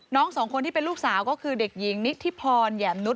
สองคนที่เป็นลูกสาวก็คือเด็กหญิงนิทธิพรแหยมนุษ